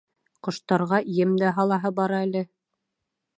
Ҡоштарға ем дә һалаһы бар әле...